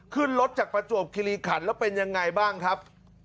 ขึ้นรถจากประจวบคิริขันแล้วเป็นยังไงบ้างครับ